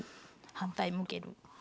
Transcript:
反対向ける。